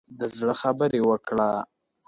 د زړه خبره وکړه.